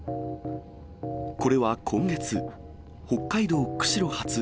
これは今月、北海道釧路発